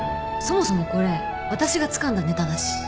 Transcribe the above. そもそもこれ私がつかんだネタだし。